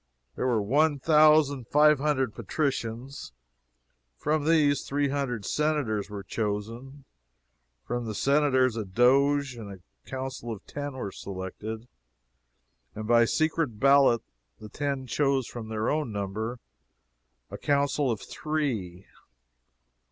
There were one thousand five hundred Patricians; from these, three hundred Senators were chosen; from the Senators a Doge and a Council of Ten were selected, and by secret ballot the Ten chose from their own number a Council of Three.